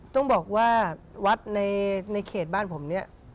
ต้องบอกว่าวัดในเขตบ้านผมเนี่ย